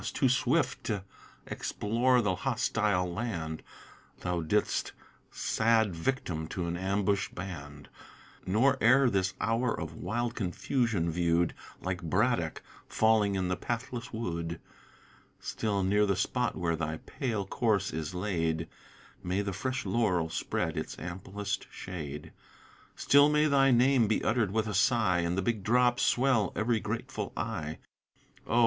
too swift t' explore the hostile land, Thou dy'dst sad victim to an ambush band, Nor e'er this hour of wild confusion view'd Like Braddock, falling in the pathless wood; Still near the spot where thy pale corse is laid, May the fresh laurel spread its amplest shade; Still may thy name be utter'd with a sigh, And the big drops swell ev'ry grateful eye; Oh!